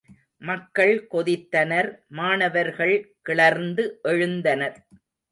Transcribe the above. மக்கள் கொதித்தனர் மாணவர்கள் கிளர்ந்து எழுந்தனர்.